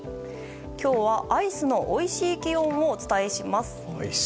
今日はアイスのおいしい気温をお伝えします。